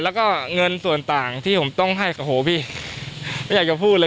แล้วก็เงินส่วนต่างที่ผมต้องให้โอ้โหพี่ไม่อยากจะพูดเลย